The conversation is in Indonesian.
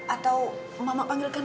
atau mama panggilkan